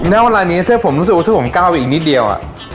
ณเวลานี้ถ้าผมรู้สึกว่าถ้าผมก้าวไปอีกนิดเดียว